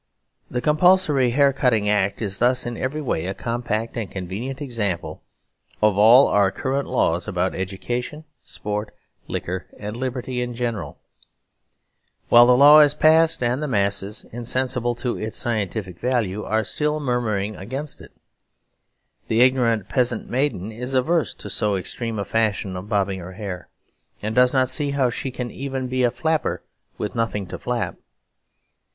The Compulsory Haircutting Act is thus in every way a compact and convenient example of all our current laws about education, sport, liquor and liberty in general. Well, the law has passed and the masses, insensible to its scientific value, are still murmuring against it. The ignorant peasant maiden is averse to so extreme a fashion of bobbing her hair; and does not see how she can even be a flapper with nothing to flap.